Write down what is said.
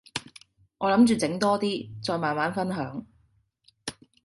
我諗住整多啲，再慢慢分享